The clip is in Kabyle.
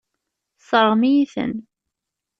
Tesseṛɣem-iyi-ten.